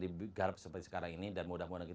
digarap seperti sekarang ini dan mudah mudahan